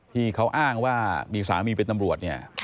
ที่เขาอ้างว่ามีสามีเป็นตำรวจเนี่ย